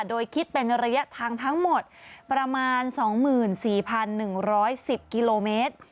โดยคิดเป็นระยะทางทั้งหมดประมาณ๒๔๑๑๐กิโลเมตร